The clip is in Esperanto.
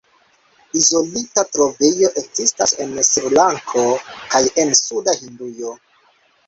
Izolita trovejo ekzistas en Srilanko kaj en suda Hindujo.